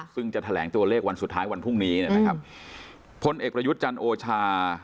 ซึ่งจะแถลงตัวเลขวันสุดท้ายวันพรุ่งนี้นะครับพลเอกประยุทธ์จันทร์โอชา